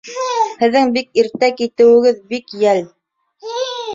Һеҙҙең бик иртә китеүегеҙ бик йәл.